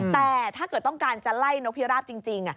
แต่ถ้าเกิดต้องการจะไล่นกพิราบจริง